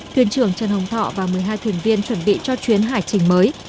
thuyền trưởng trần hồng thọ và một mươi hai thuyền viên chuẩn bị cho chuyến hải trình mới